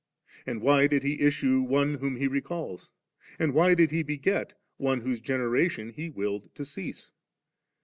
and why did He issue One whom He recalls ? and why did He beget One whose generation He willed to cease